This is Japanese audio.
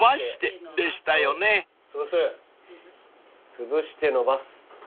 つぶしてのばす。